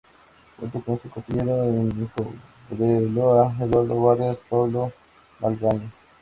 Junto con sus compañeros en Cobreloa, Eduardo Vargas, Paulo Magalhães.